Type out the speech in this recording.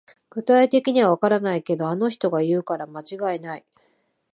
具体的にはわからないけど、あの人が言うから間違いない